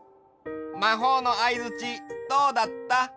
まほうのあいづちどうだった？